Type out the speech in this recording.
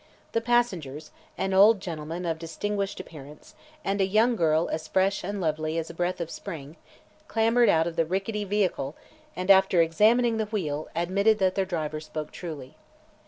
The passengers, an old gentleman of distinguished appearance and a young girl as fresh and lovely as a breath of spring, clambered out of the rickety vehicle and after examining the wheel admitted that their driver spoke truly.